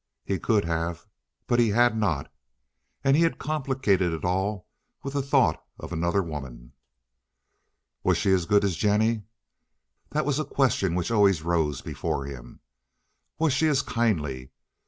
He could have, but he had not, and he had complicated it all with the thought of another woman. Was she as good as Jennie? That was a question which always rose before him. Was she as kindly?